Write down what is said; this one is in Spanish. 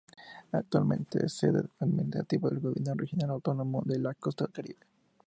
Actualmente es sede administrativa del Gobierno Regional Autónomo de la Costa Caribe Sur.